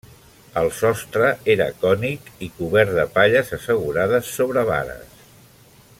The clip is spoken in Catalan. El sostre era cònic i cobert de palles assegurades sobre vares.